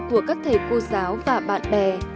của các thầy cô giáo và bạn bè